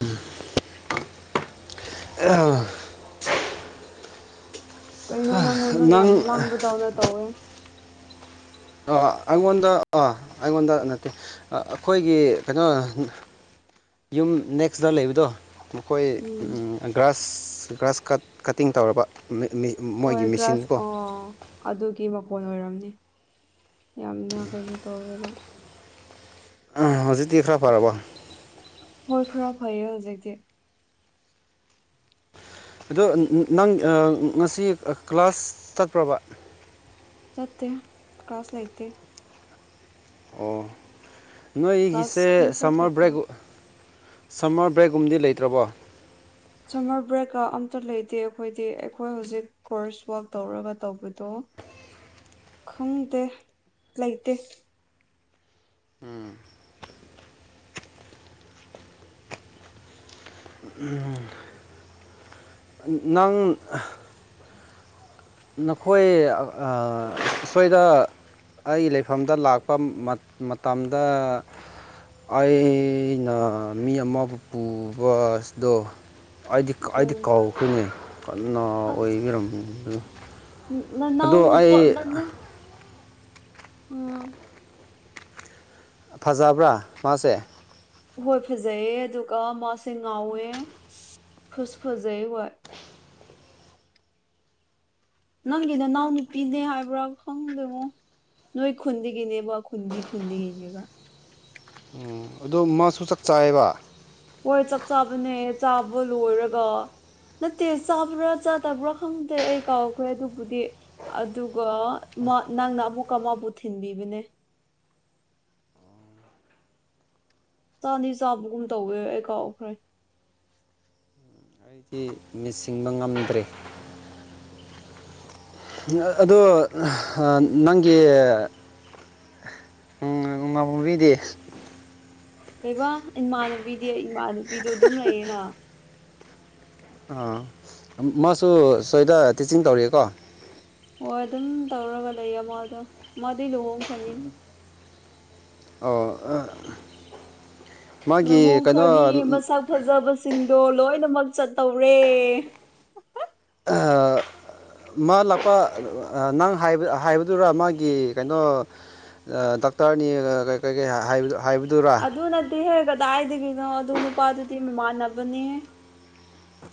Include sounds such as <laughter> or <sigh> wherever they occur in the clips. ꯎꯝ <unintelligible> ꯀꯩꯅꯣ ꯅꯪꯉꯣꯟꯗꯣ ꯅꯪ ꯌꯥꯝ ꯂꯥꯡꯕꯗꯧꯅ ꯇꯧꯋꯦ ꯑꯤ ꯑꯩꯉꯣꯟꯗ ꯑꯥ ꯑꯩꯉꯣꯟꯗ ꯅꯠꯇꯦ ꯑꯩꯈꯣꯏꯒꯤ ꯀꯩꯅꯣ ꯌꯨꯝ ꯅꯦꯛꯁꯇ ꯂꯩꯕꯗꯣ ꯃꯈꯣꯏ ꯎꯝ ꯒ꯭ꯔꯥꯁ ꯒ꯭ꯔꯥꯁ ꯀꯠ ꯀꯠꯇꯤꯡ ꯇꯧꯔꯕ ꯃꯣꯏꯒꯤ ꯍꯣꯏ ꯃꯤꯁꯤꯡ ꯒ꯭ꯔꯥꯁ ꯀꯣ ꯑꯣ ꯑꯗꯨꯒꯤ ꯃꯈꯣꯟ ꯑꯣꯏꯔꯝꯅꯤ ꯌꯥꯝꯅ ꯀꯩꯅꯣ ꯇꯧꯋꯦꯕ ꯍꯧꯖꯤꯛꯇꯤ ꯈꯔ ꯐꯔꯕꯣ ꯍꯣꯏ ꯈꯔ ꯐꯩꯌꯦ ꯍꯧꯖꯤꯛꯇꯤ ꯑꯗꯣ ꯅꯪ ꯉꯁꯤ ꯀ꯭ꯂꯥꯁ ꯆꯠꯄ꯭ꯔꯕ ꯆꯠꯇꯦ ꯀꯥꯂꯁ ꯂꯩꯇꯦ ꯑꯣ ꯀ꯭ꯂꯥꯁ ꯅꯣꯏꯒꯤꯁꯦ ꯁꯨꯡꯆꯠ ꯁꯝꯃꯔ ꯆꯠꯇꯦ ꯕ꯭ꯔꯦꯛ ꯁꯝꯃꯔ ꯕ꯭ꯔꯦꯛꯒꯨꯝꯗꯤ ꯂꯩꯇ꯭ꯔꯕꯣ ꯁꯝꯃꯔ ꯕ꯭ꯔꯦꯛ ꯀꯥ ꯑꯝꯇ ꯂꯩꯇꯦ ꯑꯩꯈꯣꯏꯗꯤ ꯑꯩꯈꯣꯏ ꯍꯧꯖꯤꯛ <unintelligible> ꯈꯪꯗꯦ ꯂꯩꯇꯦ ꯎꯝ ꯎꯝ ꯅꯪ ꯅꯈꯣꯏ ꯑꯥ ꯁꯣꯏꯗ ꯑꯩꯒꯤ ꯂꯩꯐꯝꯗ ꯂꯥꯛꯄ ꯃꯇꯝꯗ ꯑꯩꯅ ꯃꯤ ꯑꯃꯕꯨ ꯄꯨꯕꯗꯣ ꯑꯩꯗꯤ ꯑꯩꯗꯤ ꯎꯝ ꯀꯥꯎꯈ꯭ꯔꯦꯅꯦ ꯀꯟꯅ ꯑꯁ ꯑꯣꯏꯕꯤꯔꯝꯕ ꯅꯅꯥꯎ ꯅꯨꯄꯥ ꯅꯅꯥꯎ ꯑꯥ ꯐꯖꯕ꯭ꯔꯥ ꯃꯥꯁꯦ ꯍꯣꯏ ꯐꯖꯩꯌꯦ ꯑꯗꯨꯒ ꯃꯥꯁꯦ ꯉꯥꯎꯋꯦ ꯐꯁꯨ ꯐꯖꯩ ꯍꯣꯏ ꯅꯪꯒꯤ ꯅꯅꯥꯎ ꯅꯨꯄꯤꯅꯦ ꯍꯥꯏꯕ꯭ꯔꯥ ꯈꯪꯗꯦꯕꯣ ꯅꯣꯏ ꯈꯨꯟꯗꯒꯤꯅꯦꯕ ꯈꯨꯟꯗꯤ ꯈꯨꯟꯗꯒꯤꯅꯦꯕ ꯑꯣ ꯑꯗꯨ ꯃꯥꯁꯨ ꯆꯥꯛ ꯆꯥꯏꯌꯦꯕ ꯍꯣꯏ ꯆꯞ ꯆꯥꯕꯅꯦ ꯆꯥꯕ ꯂꯣꯏꯔꯒ ꯅꯠꯇꯦ ꯆꯥꯕ꯭ꯔꯥ ꯆꯥꯗꯕ꯭ꯔꯥ ꯈꯪꯗꯦ ꯑꯩ ꯀꯥꯎꯛꯈ꯭ꯔꯦ ꯑꯗꯨꯕꯨꯗꯤ ꯑꯗꯨꯒ ꯅꯪꯅ ꯑꯃꯨꯛꯀ ꯑꯃꯕꯨ ꯊꯤꯟꯕꯤꯕꯅꯦ ꯆꯥꯅꯤ ꯆꯥꯕꯒꯨꯝ ꯇꯧꯋꯦ ꯑꯩ ꯀꯥꯎꯈ꯭ꯔꯦ ꯑꯩꯗꯤ ꯅꯤꯁꯤꯡꯕ ꯉꯝꯗ꯭ꯔꯤ ꯑꯗꯣ ꯑꯥ ꯅꯪꯒꯤ ꯎꯝ <unintelligible> ꯀꯩꯕꯥ ꯏꯃꯥꯟꯅꯕꯤꯗꯤ ꯏꯃꯥꯟꯅꯕꯤꯗꯣ ꯑꯗꯨꯝ ꯂꯩꯌꯦꯅ ꯑꯥ ꯃꯥꯁꯨ ꯁ꯭ꯋꯥꯏꯗ ꯇꯤꯆꯤꯡ ꯇꯧꯔꯤꯌꯦꯀꯣ ꯍꯣꯏ ꯑꯗꯨꯝ ꯇꯧꯔꯒ ꯂꯩꯌꯦꯃꯗꯣ ꯃꯥꯗꯤ ꯂꯨꯍꯣꯡꯈ꯭ꯔꯅꯤ ꯑꯣ ꯃꯥꯒꯤ ꯀꯩꯅꯣ ꯂꯨꯍꯣꯡꯈ꯭ꯔꯅꯤ ꯃꯁꯛ ꯐꯖꯕꯁꯤꯡꯗꯣ ꯂꯣꯏꯅꯃꯛ ꯆꯠꯇꯧꯔꯦ <inaudible> ꯃꯥ ꯂꯥꯛꯄ ꯅꯪꯕ ꯍꯥꯏꯕꯗꯨꯔ ꯃꯥꯒꯤ ꯀꯩꯅꯣ ꯗꯥꯛꯇꯔꯅꯤ ꯀꯩ ꯀꯩ ꯑꯗꯨꯅꯗꯤꯍꯦ ꯀꯗꯥꯏꯗꯒꯤꯅꯣ ꯑꯗꯨ ꯅꯨꯄꯥꯗꯨꯗꯤ ꯃꯃꯥꯟꯅꯕꯅꯦ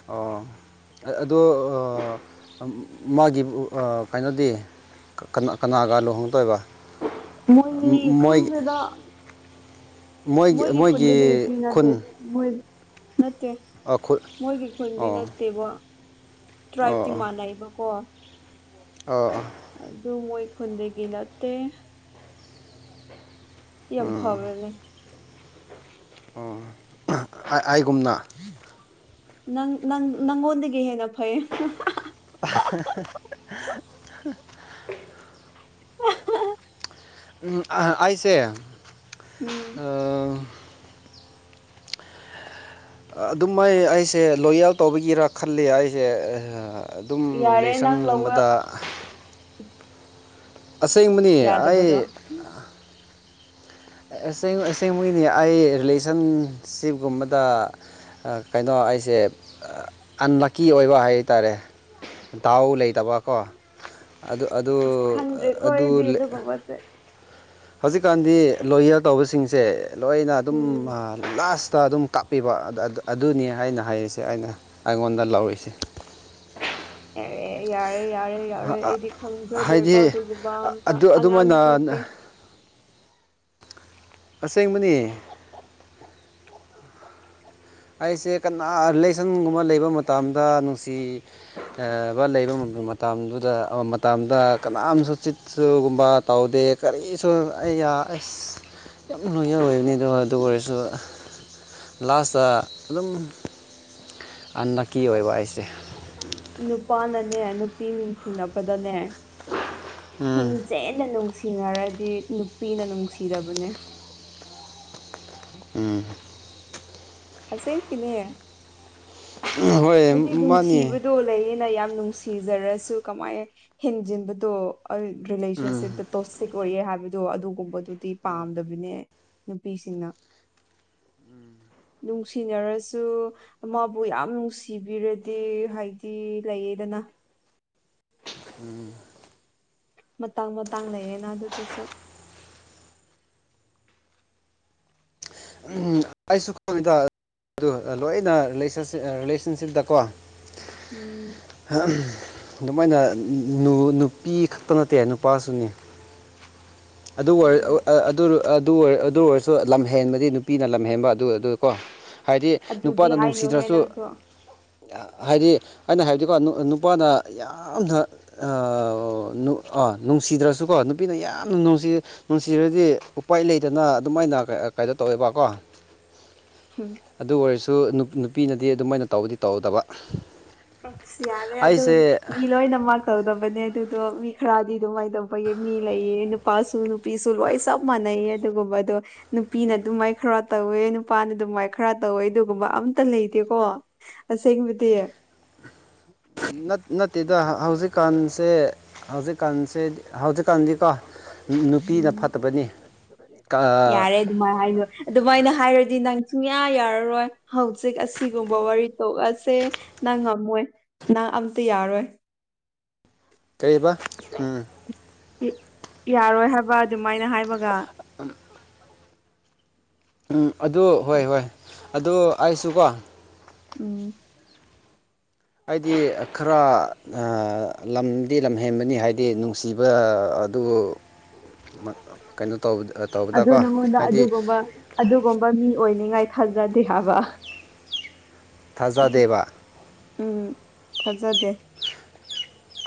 ꯑꯣ ꯑꯗꯣ ꯃꯥꯒꯤ ꯀꯩꯅꯣꯗꯤ ꯀ ꯀꯅꯥꯒ ꯂꯨꯍꯣꯡꯗꯣꯏꯕ ꯃꯣꯏ ꯈꯪꯗꯦꯗ ꯃꯣꯏꯒꯤ ꯈꯨꯟꯗꯒꯤ ꯃꯤ ꯅꯠꯇꯦ ꯃꯣꯏ ꯅꯠꯇꯦ ꯑꯣ ꯃꯣꯏꯒꯤ ꯈꯨꯟꯗꯤ ꯑꯣ ꯅꯠꯇꯦꯕ ꯇ꯭ꯔꯥꯏꯞꯇꯤ ꯃꯥꯟꯅꯩꯕꯀꯣ ꯑ ꯑꯥ ꯑꯗꯨ ꯃꯣꯏ ꯈꯨꯟꯗꯒꯤ ꯅꯠꯇꯦ ꯌꯥꯝ ꯐꯕꯅꯦ ꯑꯣ ꯑꯩꯒꯨꯝꯅ ꯅꯪꯪ ꯅꯪꯉꯣꯟꯗꯒꯤ ꯍꯦꯟꯅ ꯐꯩ <inaudible> <inaudible> <unintelligible> ꯑꯩꯁꯦ ꯎꯝ ꯑꯥ ꯑꯗꯨꯝ ꯃꯥꯏ ꯑꯩꯁꯦ ꯂꯣꯌꯦꯜ ꯇꯧꯕꯒꯤꯔꯥ ꯈꯜꯂꯤ ꯑꯩꯁꯦ ꯑꯗꯨꯝ ꯌꯥꯔꯦ ꯅꯪ ꯂꯧꯕ ꯔꯤꯂꯦꯁꯟꯒꯨꯝꯕꯗ ꯑꯁꯦꯡꯕꯅꯤ ꯌꯥꯗꯕꯗꯣ ꯑꯩ ꯑꯁꯦꯡ ꯑꯁꯦꯡꯕꯒꯤꯅꯤ ꯑꯩ ꯔꯤꯂꯦꯁꯟꯁꯤꯞꯒꯨꯝꯕꯗ ꯑꯥ ꯀꯩꯅꯣ ꯑꯩꯁꯦ ꯑꯟꯂꯛꯀꯤ ꯑꯣꯏꯕ ꯍꯥꯏꯇꯥꯔꯦ ꯗꯥꯎ ꯂꯩꯇꯕꯀꯣ ꯑꯗꯨ ꯑꯗꯨ ꯑꯁ ꯈꯪꯗ꯭ꯔꯦꯀꯣ ꯑꯗꯨ ꯑꯩꯗꯤ ꯑꯗꯨꯒꯨꯝꯕꯁꯦ ꯍꯧꯖꯤꯛꯀꯥꯟꯗꯤ ꯂꯣꯌꯌꯔ ꯇꯧꯕꯁꯤꯡꯁꯦ ꯂꯣꯏꯅ ꯑꯗꯨꯝ ꯎꯝ ꯂꯥꯁꯇ ꯑꯗꯨꯝ ꯀꯞ ꯄꯤꯕ ꯑꯗꯨꯅꯤ ꯍꯥꯏꯅ ꯍꯥꯏꯔꯤꯁꯦ ꯑꯩꯅ ꯑꯩꯉꯣꯟꯗ ꯂꯧꯔꯤꯁꯦ ꯑꯦꯔꯦ ꯌꯥꯔꯦ ꯌꯥꯔꯦ ꯌꯥꯔꯣꯏ ꯑꯩꯗꯤ ꯈꯪꯖꯗꯦꯀꯣ ꯍꯥꯏꯗꯤ ꯑꯗꯨꯒꯨꯝꯕ ꯑꯝꯇ ꯑꯗꯨ ꯑꯉꯥꯡꯁꯨ ꯑꯗꯨꯃꯥꯏꯅ ꯅꯠꯇꯦ ꯑꯁꯦꯡꯕꯅꯤ ꯑꯩꯁꯦ ꯀꯅꯥ ꯔꯤꯂꯦꯁꯟꯒꯨꯝꯕ ꯂꯩꯕ ꯃꯇꯝꯗ ꯅꯨꯡꯁꯤ ꯂꯩꯕ ꯃꯇꯝꯗꯨꯗ ꯃꯇꯝꯗ ꯀꯅꯥꯝꯁꯨ ꯆꯤꯠꯁꯨꯒꯨꯝꯕ ꯇꯧꯗꯦ ꯀꯔꯤꯁꯨ ꯑꯩꯅ <inaudible> ꯌꯥꯝ ꯂꯣꯌꯦꯜ ꯑꯣꯏꯕꯅꯤ ꯑꯗꯣ ꯑꯗꯨ ꯑꯣꯏꯔꯁꯨ ꯂꯥꯁꯇ ꯑꯗꯨꯝ ꯑꯟꯂꯛꯀꯤ ꯑꯣꯏꯕ ꯑꯩꯁꯦ ꯅꯨꯄꯥꯅꯅꯦ ꯅꯨꯄꯤ ꯅꯨꯡꯁꯤꯅꯕꯗꯅꯦ ꯎꯝ ꯍꯤꯡꯖꯦꯟꯅ ꯅꯨꯡꯁꯤ ꯅꯨꯡꯁꯤꯅꯔꯗꯤ ꯅꯨꯄꯤꯅ ꯅꯨꯡꯁꯤꯗꯕꯅꯦ ꯎꯝ ꯑꯁꯦꯡꯀꯤꯅꯦ ꯍꯣꯏ ꯍꯥꯏꯗꯤ ꯃꯥꯅꯤ ꯅꯨꯡꯁꯤꯕꯗꯣ ꯂꯩꯌꯦꯅ ꯌꯥꯝ ꯅꯨꯡꯁꯤꯖꯔꯁꯨ ꯀꯃꯥꯏ ꯍꯦꯟꯖꯤꯟꯕꯗꯣ ꯎꯝ ꯔꯤꯂꯦꯁꯟꯁꯤꯞꯇ ꯇꯣꯁꯤꯛ ꯑꯣꯏꯌꯦ ꯍꯥꯏꯕꯗꯣ ꯑꯗꯨꯒꯨꯝꯕꯗꯨꯗꯤ ꯄꯥꯝꯗꯕꯅꯦ ꯅꯨꯄꯤꯁꯤꯡꯅ ꯅꯨꯡꯁꯤꯅꯔꯁꯨ ꯑꯃꯕꯨ ꯌꯥꯝ ꯅꯨꯡꯁꯤꯕꯤꯔꯗꯤ ꯍꯥꯏꯗꯤ ꯂꯩꯌꯦꯗꯅ ꯎꯝ ꯃꯇꯥꯡ ꯃꯇꯥꯡ ꯂꯩꯌꯦꯅ ꯑꯗꯨꯗꯨꯁꯨ ꯎꯝ ꯑꯩꯁꯨ <unintelligible> ꯑꯗꯨ ꯂꯣꯏꯅ ꯔꯤꯂꯦꯁꯟꯁꯤ ꯔꯤꯂꯦꯁꯟꯁꯤꯞꯇꯀꯣ ꯎꯝ ꯑꯗꯨꯃꯥꯏꯅ ꯅꯨ ꯅꯨꯄꯤ ꯈꯛꯇ ꯅꯠꯇꯦ ꯅꯨꯄꯥꯁꯨꯅꯤ <inaudible> ꯑꯗꯨ ꯎꯝ ꯑꯣꯏꯔ <unintelligible> ꯑꯗꯨ ꯑꯣꯏꯔꯁꯨ ꯂꯝ ꯍꯦꯟꯕꯗꯤ ꯅꯨꯄꯤꯅ ꯂꯝꯍꯦꯟꯕ ꯑꯗꯨ ꯑꯗꯨꯀꯣ ꯍꯥꯏꯗꯤ ꯑꯗꯨꯗꯤ ꯅꯨꯄꯥꯅ ꯍꯥꯏꯅꯨꯍꯦ ꯅꯨꯡꯁꯤꯗ꯭ꯔꯁꯨ ꯅꯪꯁꯨ ꯍꯥꯏꯗꯤ ꯑꯩꯅ ꯍꯥꯏꯕꯗꯤꯀꯣ ꯅꯨꯄꯥꯅ ꯌꯥꯝꯅ ꯑ ꯅꯨ ꯅꯨꯡꯁꯤꯗ꯭ꯔꯁꯨꯀꯣ ꯅꯨꯄꯤꯅ ꯌꯥꯝꯅ ꯅꯨꯡꯁꯤ ꯅꯨꯡꯁꯤꯔꯗꯤ ꯎꯄꯥꯏ ꯂꯩꯇꯅ ꯑꯗꯨꯃꯥꯏꯅ ꯀꯩꯅꯣ ꯇꯧꯋꯦꯕꯀꯣ <unintelligible> ꯑꯗꯨ ꯑꯣꯏꯔꯁꯨ ꯅꯨꯄꯤꯅꯗꯤ ꯑꯗꯨꯃꯥꯏꯅ ꯇꯧꯕꯗꯤ ꯇꯧꯗꯕ ꯑꯁ ꯌꯥꯔꯦ ꯑꯗꯨ ꯑꯩꯁꯦ ꯃꯤ ꯂꯣꯏꯅꯃꯛ ꯇꯧꯗꯕꯅꯦ ꯑꯗꯨꯗꯣ ꯃꯤ ꯈꯔꯗꯤ ꯑꯗꯨꯃꯥꯏꯅ ꯇꯧꯕ ꯃꯤ ꯂꯩꯌꯦ ꯅꯨꯄꯥꯁꯨ ꯅꯨꯄꯤꯁꯨ ꯂꯣꯏ ꯆꯞ ꯃꯥꯟꯅꯩꯌꯦ ꯑꯗꯨꯒꯨꯝꯕꯗꯣ ꯅꯨꯄꯤꯅ ꯑꯗꯨ ꯃꯥꯏ ꯈꯔ ꯇꯧꯋꯦ ꯅꯨꯄꯥꯅ ꯑꯗꯨ ꯃꯥꯏ ꯈꯔ ꯇꯧꯋꯦ ꯑꯗꯨꯒꯨꯝꯕ ꯑꯝꯇ ꯂꯩꯇꯦꯀꯣ ꯑꯁꯦꯡꯕꯗꯤ ꯅꯠ ꯅꯠꯇꯦꯗ ꯍꯧꯖꯤꯛꯀꯥꯟꯁꯦ ꯍꯧꯖꯤꯛꯀꯥꯟꯁꯦ ꯍꯧꯖꯤꯛꯀꯥꯟꯗꯤꯀꯣ ꯅꯨꯄꯤꯅ ꯎꯝ ꯐꯠꯇꯕꯅꯤ ꯀꯥ <unintelligible> ꯑꯗꯨꯃꯥꯏꯅ ꯍꯥꯏꯔꯗꯤ ꯅꯪ ꯁꯨꯡꯌꯥ ꯌꯥꯔꯔꯣꯏ ꯍꯧꯖꯤꯛ ꯑꯁꯤꯒꯨꯝꯕ ꯋꯥꯔꯤ ꯇꯣꯛꯑꯁꯦ ꯅꯪ ꯉꯝꯃꯣꯏ ꯅꯪ ꯑꯝꯇ ꯌꯥꯔꯣꯏ ꯀꯩꯕꯥ ꯎꯝ ꯌꯥꯔꯣꯏ ꯍꯥꯏꯕ ꯑꯗꯨꯃꯥꯏꯅ ꯍꯥꯏꯕꯒ <unintelligible> ꯎꯝ ꯑꯗꯨ ꯍꯣꯏ ꯍꯣꯏ ꯑꯗꯨ ꯑꯩꯁꯨꯀꯣ ꯎꯝ ꯍꯥꯏꯗꯤ ꯈꯔ ꯑ ꯂꯝꯗꯤ ꯂꯝꯍꯦꯟꯕꯅꯤ ꯍꯥꯏꯗꯤ ꯅꯨꯡꯁꯤꯕ ꯗꯨ ꯀꯩꯅꯣ ꯇꯧ ꯑꯗꯨ ꯇꯧꯕꯗꯀꯣ ꯅꯪꯉꯣꯟꯗ ꯍꯥꯏꯗꯤ ꯑꯗꯨꯒꯨꯝꯕ ꯑꯗꯨꯒꯨꯝꯕ ꯃꯤ ꯑꯣꯏꯅꯤꯉꯥꯏ ꯈꯟꯖꯗꯦ ꯍꯥꯏꯕ ꯊꯥꯖꯗꯦꯕ ꯎꯝ ꯊꯥꯖꯗꯦ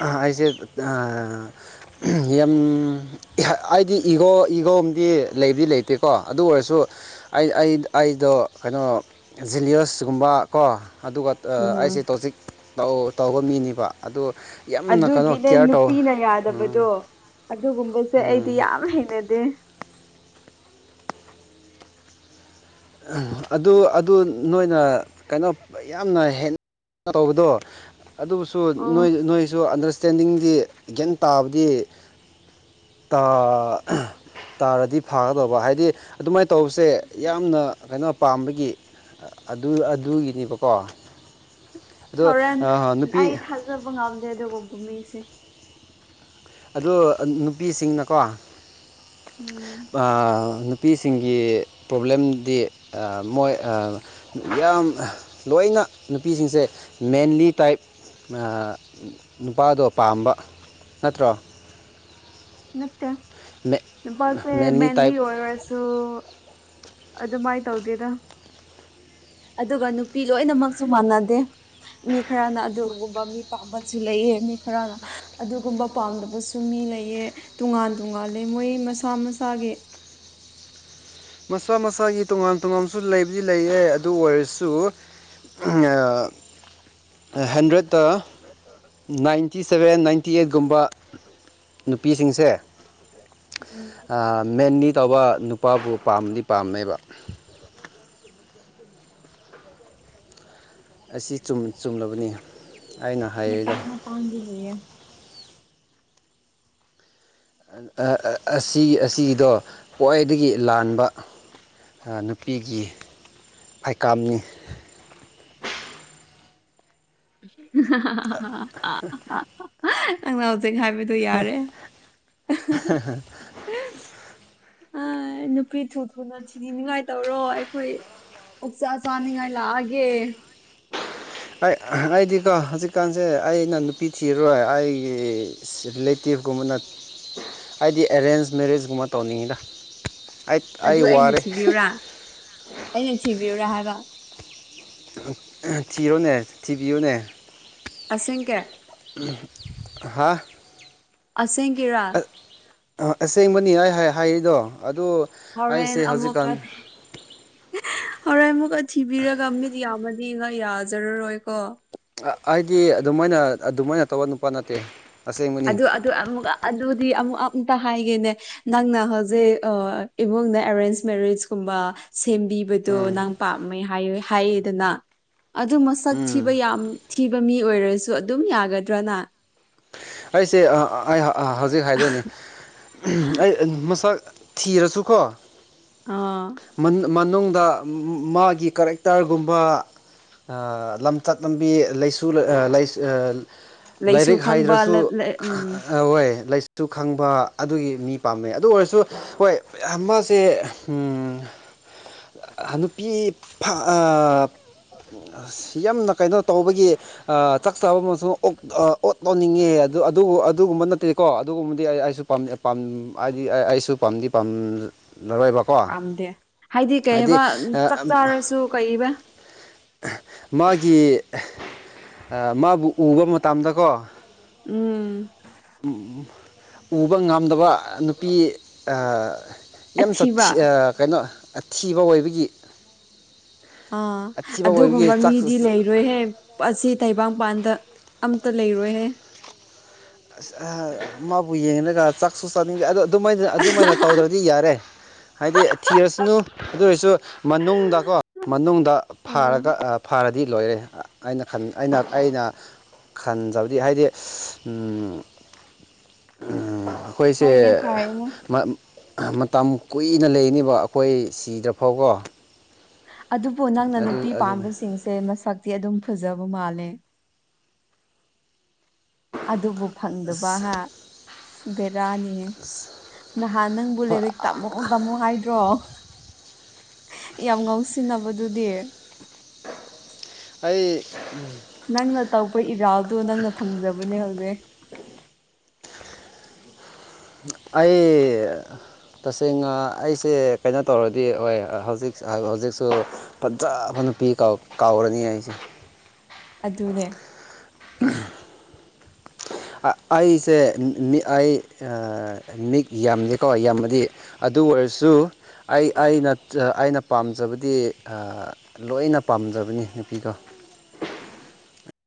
ꯑ ꯑꯩꯁꯦ ꯑꯥ ꯌꯥꯝ ꯑꯩꯗꯤ ꯏꯒꯣ ꯏꯒꯣ ꯑꯝꯗꯤ ꯂꯩꯗꯤ ꯂꯩꯇꯦꯀꯣ ꯑꯗꯨ ꯑꯣꯏꯔꯁꯨ ꯑꯩ ꯑꯩ ꯑꯩꯗꯣ ꯀꯩꯅꯣ ꯖꯤꯂꯤꯌꯁꯀꯨꯝꯕ ꯀꯣ ꯑꯗꯨꯒ ꯎꯝ ꯑꯩꯁꯦ ꯇꯣꯖꯤꯛ ꯇꯧ ꯇꯧꯕ ꯃꯤꯅꯤꯕ ꯑꯗꯣ ꯑꯗꯨꯒꯤꯅꯦ ꯅꯨꯄꯤꯅ ꯎꯝ ꯌꯥꯗꯕꯗꯣ ꯑꯗꯨꯒꯨꯝꯕꯁꯦ ꯑꯩꯗꯤ ꯎꯝ ꯌꯥꯝ ꯍꯩꯅꯗꯦ ꯑꯗꯨ ꯑꯗꯨ ꯅꯣꯏꯅ ꯀꯩꯅꯣ ꯌꯥꯝꯅ ꯍꯦꯟꯅ ꯇꯧꯕꯗꯣ ꯑꯗꯨꯕꯨꯁꯨ ꯑꯣ ꯅꯣꯏ ꯅꯣꯏꯁꯨ ꯑꯟꯗꯔꯁꯇꯦꯟꯗꯤꯡꯗꯤ ꯒ꯭ꯌꯥꯟ ꯇꯥꯕꯗꯤ ꯇꯥ ꯇꯥꯔꯗꯤ ꯐꯥꯒꯗꯧꯕ ꯍꯥꯏꯗꯤ ꯑꯗꯨꯃꯥꯏꯅ ꯇꯧꯕꯁꯦ ꯌꯥꯝꯅ ꯀꯩꯅꯣ ꯄꯥꯝꯕꯒꯤ ꯑꯗꯨ ꯑꯗꯨꯒꯤꯅꯦꯕꯀꯣ ꯑꯗꯣ ꯑꯥ ꯅꯨꯄꯤ ꯊꯖꯥꯕ ꯉꯝꯗꯦ ꯑꯗꯨꯒꯨꯝꯕ ꯃꯤꯁꯦ ꯑꯗꯨ ꯅꯨꯄꯤꯁꯤꯡꯅꯀꯣ ꯎꯝ ꯅꯨꯄꯤꯁꯤꯡꯒꯤ ꯄ꯭ꯔꯣꯕ꯭ꯂꯦꯝꯗꯤ ꯃꯣꯏ ꯌꯥꯝ ꯂꯣꯏꯅ ꯅꯨꯄꯤꯁꯤꯡꯁꯦ ꯃꯦꯟꯂꯤ ꯇꯥꯏꯞ ꯅꯨꯄꯥꯗꯣ ꯄꯥꯝꯕ ꯅꯠꯇ꯭ꯔꯣ ꯅꯠꯇꯦ ꯅꯨꯄꯥꯁꯦ ꯃꯦꯟꯂꯤ ꯃꯦꯟꯗꯤ ꯇꯥꯏꯞ ꯑꯣꯏꯔꯣꯏꯁ ꯑꯗꯣ ꯑꯗꯨꯃꯥꯏ ꯇꯧꯗꯦꯗ ꯑꯗꯨꯒ ꯅꯨꯄꯤ ꯂꯣꯏꯅꯃꯛꯁꯨ ꯃꯥꯟꯅꯗꯦ ꯃꯤ ꯈꯔꯅ ꯑꯗꯨꯒꯨꯝꯕ ꯃꯤ ꯄꯥꯝꯕꯁꯨ ꯂꯩꯌꯦ ꯃꯤ ꯈꯔꯅ ꯑꯗꯨꯒꯨꯝꯕ ꯄꯥꯝꯗꯕꯁꯨ ꯃꯤ ꯂꯩꯌꯦ ꯇꯣꯉꯥꯟ ꯇꯣꯉꯥꯂꯦ ꯃꯣꯏ ꯃꯁꯥ ꯃꯁꯥꯒꯤ ꯃꯁꯥ ꯃꯁꯥꯒꯤ ꯇꯣꯉꯥꯟ ꯇꯣꯉꯥꯟꯕꯁꯨ ꯂꯩꯕꯨꯗꯤ ꯂꯩꯌꯦ ꯑꯗꯨ ꯑꯣꯏꯔꯁꯨ <unintelligible> ꯍꯟꯗ꯭ꯔꯦꯠꯇ ꯅꯥꯏꯟꯇꯤ ꯁꯕꯦꯟ ꯅꯥꯏꯟꯇꯤ ꯑꯩꯠꯀꯨꯝꯕ ꯅꯨꯄꯤꯁꯤꯡꯁꯦ ꯎꯝ ꯃꯦꯟꯂꯤ ꯇꯧꯕ ꯅꯨꯄꯥꯕꯨ ꯄꯥꯝꯗꯤ ꯄꯥꯝꯃꯦꯕ ꯑꯁꯤ ꯆꯨꯝ ꯆꯨꯝꯂꯕꯅꯤ ꯑꯩꯅ ꯍꯥꯏꯔꯤꯗꯣ ꯃꯇꯥꯡ ꯃꯇꯥꯡꯒꯤ ꯂꯩꯏꯌꯦ ꯑꯁꯤꯒꯤ ꯑꯁꯤꯒꯤꯗꯣ ꯈ꯭ꯋꯥꯏꯗꯒꯤ ꯂꯥꯟꯕ ꯅꯨꯄꯤꯒꯤ ꯑꯥꯏꯀꯥꯝꯅꯤ ꯅꯪꯅ ꯍꯧꯖꯤꯛ ꯍꯥꯏꯕ ꯑꯗꯨ ꯌꯥꯔꯦ ꯑꯥ ꯅꯨꯄꯤ ꯊꯨ ꯊꯨꯅ ꯊꯤꯅꯤꯡꯉꯥꯏ ꯇꯧꯔꯣ ꯑꯩꯈꯣꯏ ꯑꯣꯛꯆꯥꯥ ꯆꯅꯤꯉꯥꯏ ꯂꯛꯑꯒꯦ ꯑꯩ ꯑꯩꯗꯤꯀꯣ ꯍꯧꯖꯤꯛꯀꯥꯟꯁꯦ ꯑꯩꯅ ꯅꯨꯄꯤ ꯊꯤꯔꯔꯣꯏ ꯑꯩ ꯔꯤꯂꯦꯇꯤꯞꯀꯨꯝꯕꯅ ꯍꯥꯏꯗꯤ ꯑꯦꯔꯦꯟꯖ ꯃꯦꯔꯦꯖꯀꯨꯝꯕ ꯇꯧꯅꯤꯡꯉꯤꯗ ꯑꯩꯇ ꯑꯥꯏ ꯑꯗꯨ ꯑꯩꯅ ꯋꯥꯔꯦ ꯊꯤꯕꯤꯌꯨꯔꯥ ꯑꯩꯅ ꯊꯤꯕꯤꯌꯨꯔꯥ ꯍꯥꯏꯕ ꯊꯤꯌꯨꯅꯦ ꯊꯤꯕꯤꯌꯣꯅꯦ ꯑꯁꯦꯡꯀꯤ ꯍꯥ ꯑꯁꯦꯡ ꯀꯤꯔꯥ ꯑꯥ ꯑꯁꯦꯡꯕꯅꯤ ꯑꯩ ꯍꯥꯏꯔꯤꯗꯣ ꯑꯗꯨ ꯍꯣꯔꯦꯟ ꯑꯩꯁꯦ ꯑꯃꯨꯛꯀꯥ ꯍꯧꯖꯤꯛꯀꯥꯟ ꯍꯣꯔꯦꯟ ꯑꯃꯨꯛꯀꯥ ꯊꯤꯕꯤꯔꯒ ꯃꯤꯠ ꯌꯥꯝꯃꯗꯤ ꯉꯥ ꯌꯥꯖꯔꯔꯣꯏꯀꯣ ꯑꯩꯗꯤ ꯑꯗꯨꯃꯥꯏꯅ ꯑꯗꯨꯃꯥꯏꯅ ꯇꯧꯕ ꯅꯨꯄꯥ ꯅꯠꯇꯦ ꯑꯁꯦꯡꯕꯅꯤ ꯑꯗꯨ ꯑꯃꯨ ꯑꯃꯨꯛ ꯑꯗꯨꯗꯤ ꯑꯃꯨꯛ ꯑꯝꯇ ꯍꯥꯏꯒꯦꯅꯦ ꯅꯪꯅ ꯍꯧꯖꯤꯛ ꯏꯃꯨꯡꯅ ꯑꯦꯔꯦꯟꯖ ꯃꯦꯔꯤꯌꯦꯖꯀꯨꯝꯕ ꯁꯦꯝꯕꯤꯕꯗꯣ ꯎꯝ ꯅꯪ ꯄꯥꯝꯃꯦ ꯍꯥꯏ ꯍꯥꯏꯌꯦꯗꯅ ꯑꯗꯨ ꯃꯁꯛ ꯊꯤꯕ ꯎꯝ ꯌꯥꯝ ꯊꯤꯕ ꯃꯤ ꯑꯣꯏꯔꯁꯨ ꯑꯗꯨꯝ ꯌꯥꯒꯗ꯭ꯔ ꯅꯪ ꯑꯩꯁꯦ ꯑꯩ ꯍꯧꯖꯤꯛ ꯍꯥꯏꯗꯣꯏꯅꯤ ꯑꯩ ꯃꯁꯛ ꯊꯤꯔꯁꯨꯀꯣ ꯑꯥ ꯃꯅꯨꯡꯗ ꯃꯥꯒꯤ ꯀꯔꯦꯛꯇꯔꯒꯨꯝꯕ ꯂꯝꯆꯠ ꯂꯝꯕꯤ ꯂꯩꯥꯁꯨ ꯂꯩꯁꯨ ꯈꯪꯕ ꯎꯝ ꯍꯣꯏ ꯂꯥꯏꯁꯨ ꯈꯪꯕ ꯑꯗꯨꯒꯤ ꯃꯤ ꯄꯥꯝꯃꯦ ꯑꯗꯨ ꯑꯣꯏꯔꯁꯨ ꯍꯣꯏ ꯃꯁꯦ ꯎꯝ ꯅꯨꯄꯤ ꯑ ꯌꯥꯝꯅ ꯀꯩꯅꯣ ꯇꯧꯕꯒꯤ ꯆꯥꯛ ꯆꯥꯕ ꯑꯃꯁꯨꯡ ꯅꯤꯡꯉꯦ ꯑꯗꯨ ꯑꯗꯨꯒꯨꯝꯕ ꯅꯠꯇꯦꯀꯣ ꯑꯗꯨꯒꯨꯝꯕꯗꯤ ꯑꯩ ꯑꯩꯁꯨ ꯍꯥꯏꯗꯤ ꯑꯩꯁꯨ ꯄꯥꯝꯗꯤ ꯄꯥꯝꯅꯔꯣꯏꯕ ꯄꯥꯝꯗꯦ ꯍꯥꯏꯗꯤ ꯀꯩ ꯍꯥꯏꯕ ꯆꯥꯛ ꯆꯥꯔꯁꯨ ꯀꯕ ꯃꯥꯒꯤ ꯃꯥꯕꯨ ꯎꯕ ꯃꯇꯝꯗꯀꯣ ꯎꯝ ꯎꯕ ꯉꯝꯗꯕ ꯅꯨꯄꯤ ꯌꯥꯝ ꯑꯊꯤꯕ ꯀꯩꯅꯣꯊꯤꯕ ꯑꯣꯏꯕꯒꯤ ꯑꯥ ꯑꯊꯤꯕ ꯑꯣꯏꯕꯒꯤ ꯑꯗꯨꯒꯨꯝꯕ ꯆꯥꯛ ꯃꯤꯗꯤ ꯂꯩꯔꯣꯏꯍꯦ ꯑꯁꯤ ꯇꯩꯕꯡꯄꯥꯟꯗ ꯑꯝꯇ ꯂꯩꯔꯣꯏꯍꯦ ꯑꯁ ꯃꯥꯕꯨ ꯌꯦꯡꯒ ꯆꯥꯛꯁꯨ ꯆꯥꯅꯤꯡꯕꯦ ꯑꯗꯣ ꯑꯗꯨꯃꯥꯏꯅ ꯑꯗꯨꯃꯥꯏꯅ ꯇꯧꯗ꯭ꯔꯗꯤ ꯌꯥꯔꯦ ꯍꯥꯏꯗꯤ ꯊꯤꯔꯁꯅꯨ ꯑꯗꯨ ꯑꯣꯏꯔꯁꯨ ꯃꯅꯨꯡꯗꯀꯣ ꯃꯅꯨꯡꯗ ꯗ ꯎꯝ ꯐꯥꯔꯒ ꯐꯥꯔꯗꯤ ꯂꯣꯏꯔꯦ ꯑꯩꯅ ꯈꯟ ꯑꯩꯅ ꯑꯩꯅ ꯈꯟꯖꯕꯗꯤ ꯍꯥꯏꯗꯤ ꯑꯩꯈꯣꯏꯁꯦ ꯍꯣꯏꯅꯦ ꯐꯔꯦꯅꯦ ꯃꯇꯝ ꯀꯨꯏꯅ ꯂꯩꯅꯤꯕ ꯑꯩꯈꯣꯏ ꯁꯤꯗꯐꯥꯎꯕꯀꯣ ꯑꯗꯨꯕꯨ ꯅꯪꯅ ꯅꯨꯄꯤ ꯑꯗꯨꯅꯤ ꯄꯥꯕꯤꯁꯤꯡꯁꯦ ꯃꯁꯛꯇꯤ ꯑꯗꯨꯝ ꯐꯖꯕ ꯃꯥꯜꯂꯦ ꯑꯗꯨꯕꯨ ꯐꯪꯗꯕꯒ ꯑꯁ ꯕꯦꯔꯥꯅꯤ ꯅꯍꯥꯟ ꯅꯪꯕꯨ ꯂꯥꯏꯔꯤꯛ ꯇꯥꯝꯃꯣ ꯇꯥꯝꯃꯣ ꯍꯥꯏꯗ꯭ꯔꯣ ꯌꯥꯝ ꯉꯧꯁꯤꯟꯅꯕꯗꯨꯗꯤ ꯑꯩ ꯅꯪꯅ ꯇꯧꯕ ꯏꯔꯥꯜꯗꯣ ꯅꯪꯅ ꯐꯪꯖꯕꯅꯦ ꯍꯧꯖꯤꯛ ꯑꯩ ꯇꯁꯦꯡꯅ ꯑꯩꯁꯦ ꯀꯩꯅꯣ ꯇꯧꯔꯗꯤ ꯍꯣꯏ ꯍꯧꯖꯤꯛ ꯍꯧꯖꯤꯛꯁꯨ ꯐꯖꯕ ꯅꯨꯄꯤ ꯀꯥꯎꯔꯅꯤ ꯑꯩꯁꯦ ꯑꯗꯨꯅꯦ ꯑꯩꯁꯦ ꯃꯤ ꯑꯩ ꯃꯤ ꯌꯥꯝꯗꯦꯀꯣ ꯌꯥꯝꯕꯗꯤ ꯑꯗꯨ ꯑꯣꯏꯔꯁꯨ ꯑꯩ ꯑꯩꯅ ꯑꯩꯅ ꯄꯥꯝꯖꯕꯗꯤ ꯂꯣꯏꯅ ꯄꯥꯝꯖꯕꯅꯤ ꯅꯨꯄꯤꯗꫭ